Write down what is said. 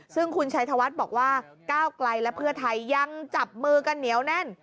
ซึ่งคุณชัยธวัฒน์บอกว่าก้าวไกลและเพื่อไทยยังจับมือกันเหนียวแน่น